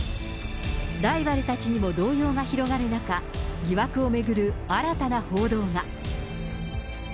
ライバルたちにも動揺が広がる中、疑惑を巡る新たな報道が。